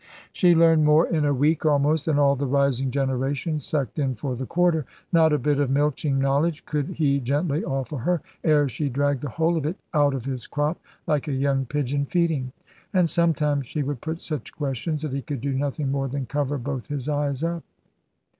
She learned more in a week almost, than all the rising generation sucked in for the quarter. Not a bit of milching knowledge could he gently offer her, ere she dragged the whole of it out of his crop, like a young pigeon feeding. And sometimes she would put such questions that he could do nothing more than cover both his eyes up!